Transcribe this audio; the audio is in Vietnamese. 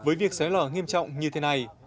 với việc xóa lỏ nghiêm trọng như thế này